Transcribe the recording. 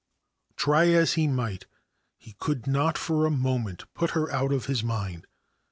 Try as he might, he could not for a momeni put her out of his mind.